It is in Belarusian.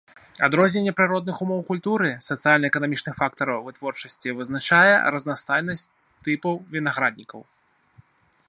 Адрозненне прыродных умоў культуры, сацыяльна-эканамічных фактараў вытворчасці вызначае разнастайнасць тыпаў вінаграднікаў.